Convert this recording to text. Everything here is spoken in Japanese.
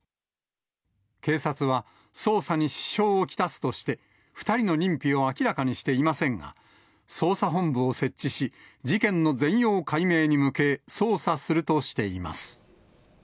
警察は、捜査に支障を来すとして、２人の認否を明らかにしていませんが、捜査本部を設置し、事件の全容解明に向け捜査するとしています。